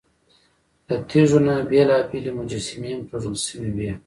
له تیږو نه بېلابېلې مجسمې هم توږل شوې وې.